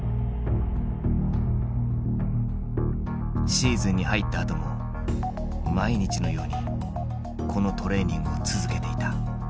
シーズンに入ったあとも毎日のようにこのトレーニングを続けていた。